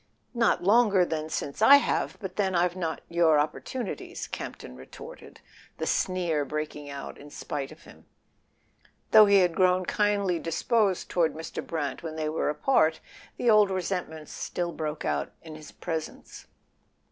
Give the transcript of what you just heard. "Not longer than since I have—but then I've not your opportunities," Campton retorted, the sneer [ 249 ] A SON AT THE FRONT breaking out in spite of him. Though he had grown kindly disposed toward Mr. Brant when they were apart, the old resentments still broke out in his pres¬ ence.